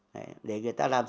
đấy để người ta làm gì